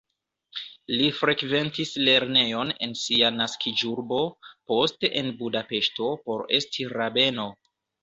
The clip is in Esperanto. Li frekventis lernejon en sia naskiĝurbo, poste en Budapeŝto por esti rabeno.